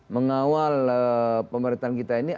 mengawal pemerintahan kita ini